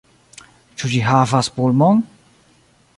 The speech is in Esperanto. Ĉu ĝi havas pulmon?